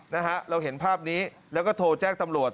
นะฮะเราเห็นภาพนี้แล้วก็โทรแจ้งตำรวจ